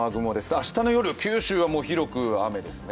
明日の夜、九州は広く雨ですね。